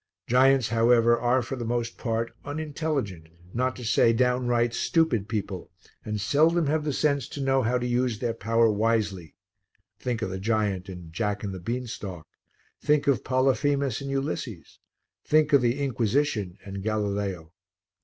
Giants, however, are for the most part unintelligent, not to say downright stupid people, and seldom have the sense to know how to use their power wisely think of the giant in Jack and the Beanstalk, think of Polyphemus and Ulysses, think of the Inquisition and Galileo.